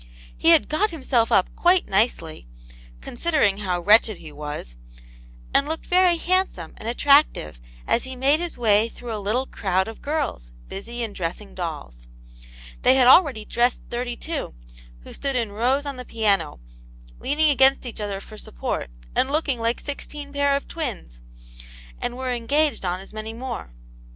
He had got himself up quite nicely, considering how wretched he was, and looked very handsome and attractive as he made his way through a little crowd of girls, busy in dressing dolls. They had already dressed thirty two, who stood in rows on the piano, leaning against each other for support, and looking like sixteen pair of twins ; and were engaged on as many more.